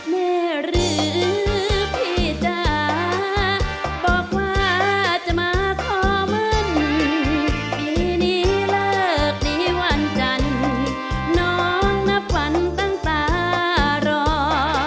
เบ็กกี้วันจันทร์น้องนับวันตั้งป่ารอง